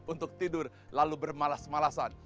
untuk tidur lalu bermalas malasan